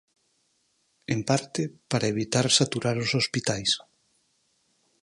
En parte, "para evitar saturar os hospitais".